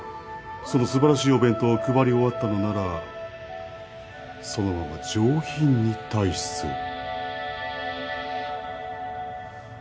そのすばらしいお弁当を配り終わったのならそのまま上品に退室を。